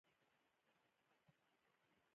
انرژي نه جوړېږي او نه له منځه ځي.